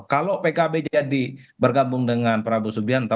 kalau pkb jadi bergabung dengan prabowo subianto